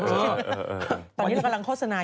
ตอนนี้เรากำลังโฆษณา